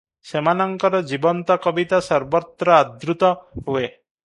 ସେମାନଙ୍କର ଜୀବନ୍ତ କବିତା ସର୍ବତ୍ର ଆଦୃତ ହୁଏ ।